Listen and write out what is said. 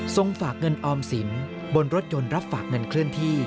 ฝากเงินออมสินบนรถยนต์รับฝากเงินเคลื่อนที่